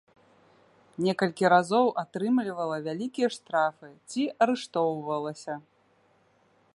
Некалькі разоў атрымлівала вялікія штрафы ці арыштоўвалася.